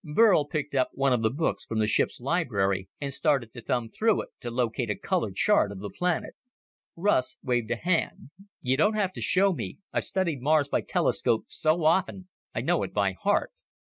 Burl picked up one of the books from the ship's library and started to thumb through it to locate a color chart of the planet. Russ waved a hand. "You don't have to show me. I've studied Mars by telescope so often I know it by heart.